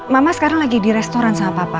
mama sekarang lagi di restoran sama papa